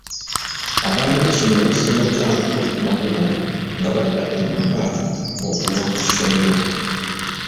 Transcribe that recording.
Abaana b'essomero basinga kuwambibwa ku makubo nga badda ewaka okuva ku ssomero..